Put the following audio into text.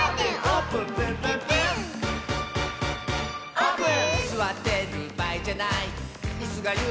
「オープン！」